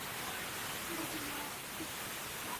Celebra con los mapuches el ""Parlamento de Nacimiento"".